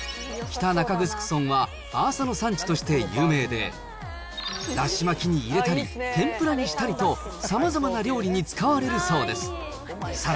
北中城村は、アーサの産地として有名で、だし巻きに入れたり、天ぷらにしたりと、さまざまな料理に使われるそうです。